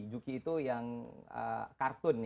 juki itu yang kartun